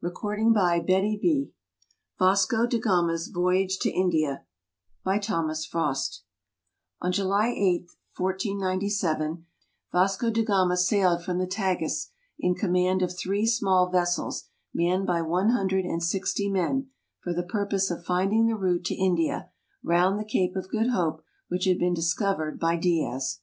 THE EARLY EXPLORERS Vasco Da Gama's Voyage to India By THOMAS FROST ON July 8, 1497, Vasco da Gama sailed from the Tagus, in command of three small vessels, manned by one hundred and sixty men, for the purpose of finding the route to India, round the Cape of Good Hope, which had been discovered by Diaz.